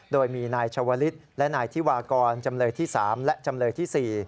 โดยมีนายชาวลิศและนายธิวากรจำเลยที่๓และจำเลยที่๔